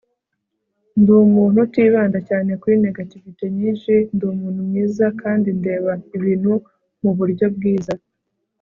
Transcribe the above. ndi umuntu utibanda cyane kuri negativite nyinshi. ndi umuntu mwiza, kandi ndeba ibintu mu buryo bwiza